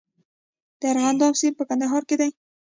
د ارغنداب سیند په کندهار کې دی